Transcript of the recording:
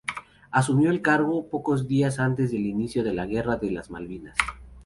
Asumió el cargo pocos días antes del inicio de la guerra de las Malvinas.